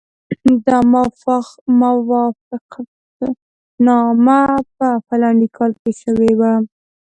دا موافقتنامه په فلاني کال کې شوې وه.